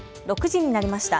６時になりました。